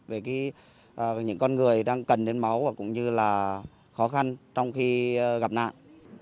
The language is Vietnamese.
về những con người đang cần đến máu và cũng như là khó khăn trong khi gặp nạn